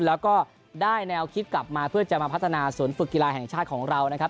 แล้วก็ได้แนวคิดกลับมาเพื่อจะมาพัฒนาศูนย์ฝึกกีฬาแห่งชาติของเรานะครับ